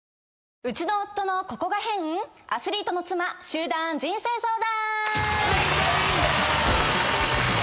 ウチの夫のココが変⁉アスリートの妻集団人生相談！